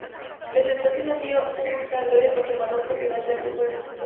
Desde entonces, ha sido un tabloide conservador propiedad de Rupert Murdoch.